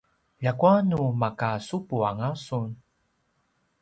ljakua nu maka supu anga sun